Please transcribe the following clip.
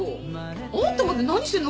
あんたまで何してんの？